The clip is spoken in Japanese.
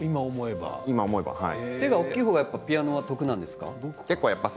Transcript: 手が大きい方がピアノは得なんですか。